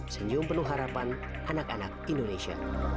senyum penuh harapan anak anak indonesia